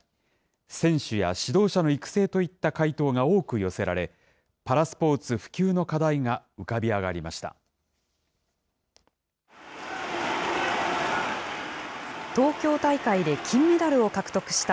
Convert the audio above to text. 選手や指導者の育成といった回答が多く寄せられ、パラスポーツ普及の課題が浮かび上がりました。